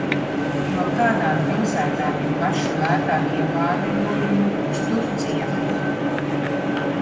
No kādām pilsētām ir paši lētākie pārlidojumi uz Turcija?